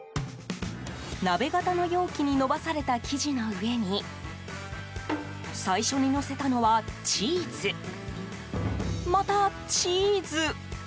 鍋型の容器に延ばされた生地の上に最初にのせたのはチーズまたチーズ。